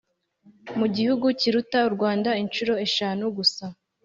mu gihugu kiruta urwanda inshuro eshanu gusa!